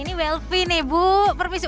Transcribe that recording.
ini welp nih bu permisi